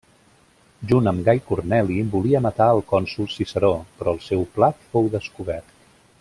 Junt amb Gai Corneli volia matar al cònsol Ciceró, però el seu pla fou descobert.